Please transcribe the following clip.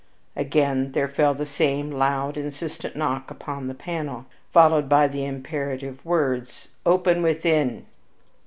Again there fell the same loud, insistent knock upon the panel, followed by the imperative words, "Open within!"